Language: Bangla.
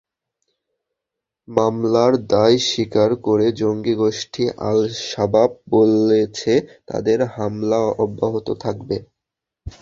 হামলার দায় স্বীকার করে জঙ্গি গোষ্ঠী আল-শাবাব বলেছে, তাদের হামলা অব্যাহত থাকবে।